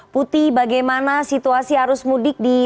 puti bagaimana situasi arus mudik di pelabuhan cilgon banten